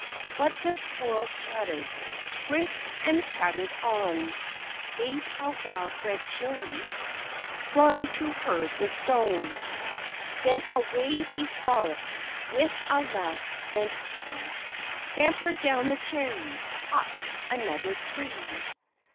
But the squirrel chattered, Frisked and chattered on ; Ate a wild red cherry — Flung to her the stone ; FAIRY FARE . 71 Then away he frolicked, With a laugh went he, Scampered down the cherry Up another tree.